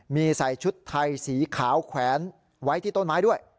มีใส่ชุดไทยสีขาวแขวนไว้ที่ต้นไม้ด้วย